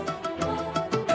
nih aku tidur